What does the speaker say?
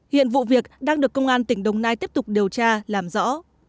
hiện vụ việc đang được công an tỉnh đồng nai tiếp tục điều tra làm rõ